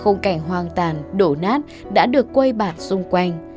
khung cảnh hoang tàn đổ nát đã được quê bản xung quanh